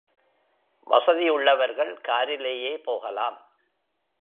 வசதியுள்ளவர்கள் காரிலேயே போகலாம்.